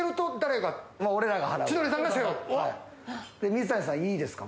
水谷さんいいですか？